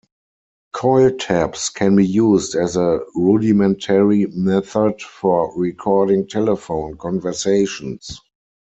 Coil taps can be used as a rudimentary method for recording telephone conversations.